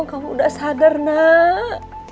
kamu udah sadar nak